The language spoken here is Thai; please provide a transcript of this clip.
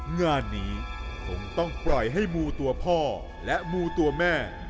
งานนี้คงต้องปล่อยให้มูตัวพ่อและมูตัวแม่